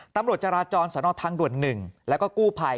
ตำรวจจราจรสนทางด่วน๑แล้วก็กู้ภัย